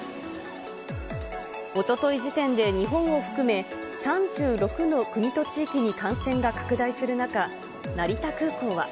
おととい時点で日本を含め、３６の国と地域に感染が拡大する中、成田空港は。